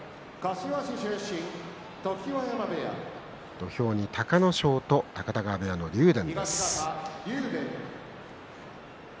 土俵に隆の勝と高田川部屋の竜電です。